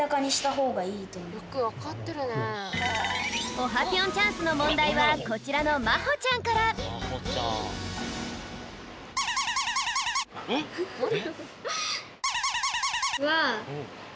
オハぴょんチャンスのもんだいはこちらのまほちゃんからなに？